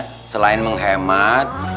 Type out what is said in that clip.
ya selain menghemat